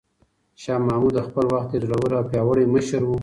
شاه محمود د خپل وخت یو زړور او پیاوړی مشر و.